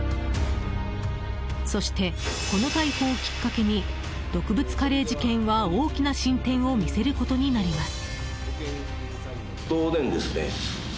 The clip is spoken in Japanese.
そして、この逮捕をきっかけに毒物カレー事件は大きな進展を見せることになります。